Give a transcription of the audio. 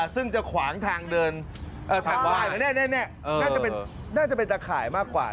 ซึ่งจะขวางทางเดินน่าจะเป็นตักข่ายมากกว่า